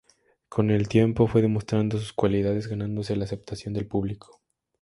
Con el tiempo fue demostrando sus cualidades ganándose la aceptación del público.